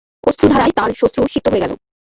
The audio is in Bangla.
অশ্রুধারায় তাঁর শ্বশ্রু সিক্ত হয়ে গেল।